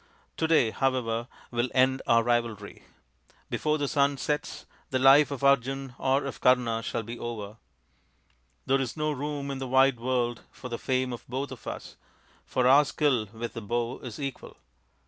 To day, however, will end our rivalry. Before the sun sets the life of Arjun or of Karna shall be over. There is no room in the wide world for the fame of both of us, for our skill with the bow is equal.